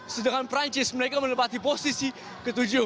sedangkan perancis mereka menempati posisi ke tujuh